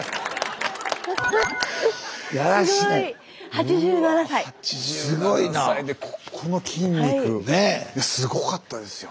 ８７歳でここの筋肉すごかったですよ。